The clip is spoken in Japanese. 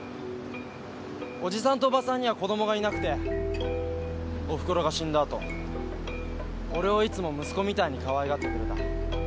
おじさんとおばさんには子供がいなくてお袋が死んだ後俺をいつも息子みたいにかわいがってくれた。